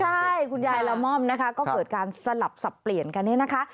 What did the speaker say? ใช่คุณยายละม่อมนะคะก็เกิดการสลับสับเปลี่ยนกันเนี่ยนะคะ